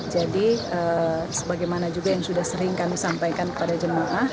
jadi sebagaimana juga yang sudah sering kami sampaikan pada jemaah